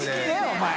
お前。